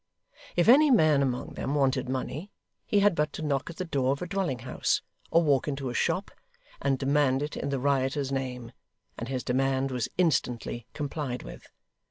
If any man among them wanted money, he had but to knock at the door of a dwelling house, or walk into a shop, and demand it in the rioters name; and his demand was instantly complied with.